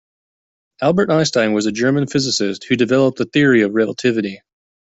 Albert Einstein was a German physicist who developed the Theory of Relativity.